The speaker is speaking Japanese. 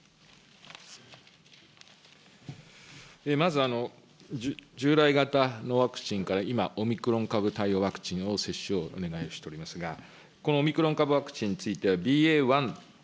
まず、従来型のワクチンから、今、オミクロン株対応ワクチンの接種をお願いしておりますが、このオミクロン株ワクチンについては、ＢＡ．１とＢＡ．